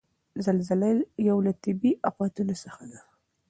زلزله یو له طبعیي آفتونو څخه ده.